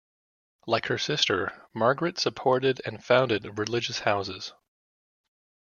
Like her sister, Margaret supported and founded religious houses.